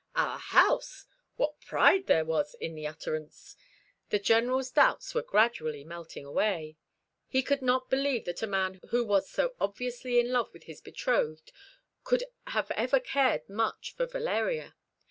"Our house!" What pride there was in the utterance! The General's doubts were gradually melting away. He could not believe that a man who was so obviously in love with his betrothed could have ever cared much for Valeria.